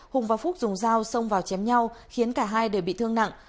hùng và phúc dùng dao xông vào chém nhau khiến cả hai đều bị thương nặng